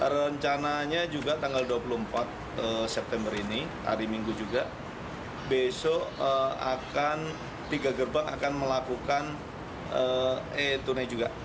rencananya juga tanggal dua puluh empat september ini hari minggu juga besok akan tiga gerbang akan melakukan e tunai juga